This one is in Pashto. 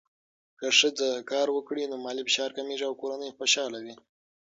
که ښځه کار وکړي، نو مالي فشار کمېږي او کورنۍ خوشحاله وي.